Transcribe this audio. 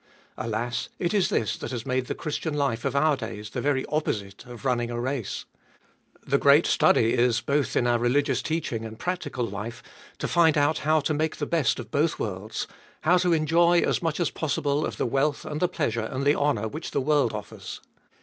Alas, it is this that has made the Christian life of our days the very opposite of running a race. The great study is, both in our religious teaching and practical life, to find out how to make the best of both worlds, how to enjoy as much as possible of the wealth and the pleasure Doltest ot ail 479 and the honour which the world offers.